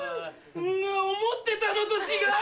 思ってたのと違う！